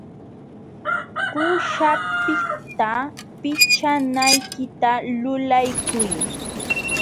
Quśhapiqta pichanaykita lulaykuy.